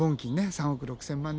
３億６，０００万年！